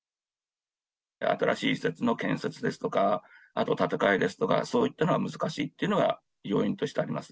新しい施設の建設ですとか、あと建て替えですとか、そういったのが難しいっていうのが要因としてあります。